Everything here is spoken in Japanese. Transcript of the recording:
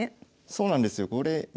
そうなんですよ。